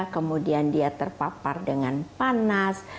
kemudian dia terpapar dengan panas